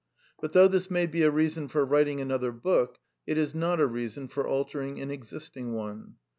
But though this may be a rea son for writing another book, it is not a reason for altering an existing one.